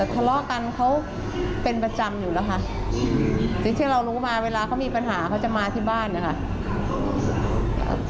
ตาระกันเค้าเป็นประจำอยู่นะคะที่เรารู้มาเวลาเค้ามีปัญหาเค้าจะมาที่บ้านนะคะ